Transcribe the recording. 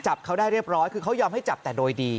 จับเขาได้เรียบร้อยคือเขายอมให้จับแต่โดยดี